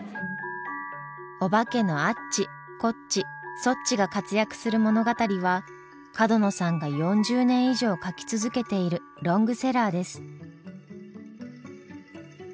おばけのアッチコッチソッチが活躍する物語は角野さんが４０年以上書き続けているロングセラーです。